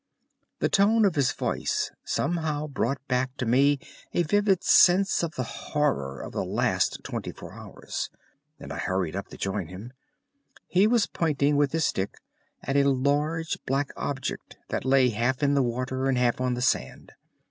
The tone of his voice somehow brought back to me a vivid sense of the horror of the last twenty four hours, and I hurried up to join him. He was pointing with his stick at a large black object that lay half in the water and half on the sand.